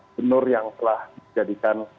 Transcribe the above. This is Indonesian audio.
penur yang telah dijadikan